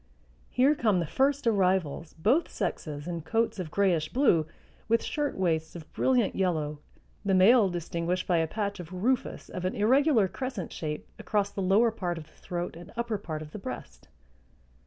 Here come the first arrivals, both sexes in coats of grayish blue, with shirtwaists of brilliant yellow, the male distinguished by a patch of rufous of an irregular crescent shape across the lower part of the throat and upper part of the breast.